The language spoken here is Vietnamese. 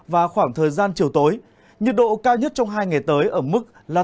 và khoảng thời gian chiều tối nhiệt độ cao nhất trong hai ngày tới ở mức là